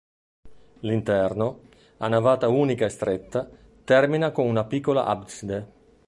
L'interno, a navata unica e stretta, termina con una piccola abside.